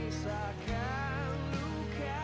kamu lebih cantik kalau tersenyum ken